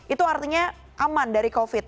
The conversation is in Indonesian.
itu artinya aman dari covid